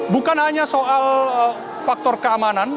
bukan hanya soal faktor keamanan